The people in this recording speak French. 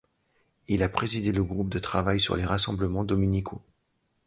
Il a présidé le groupe de travail sur les rassemblements dominicaux.